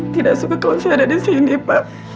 tidak suka kalau saya ada disini pak